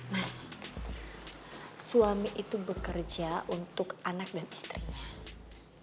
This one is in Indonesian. mas suami itu bekerja untuk anak dan istrinya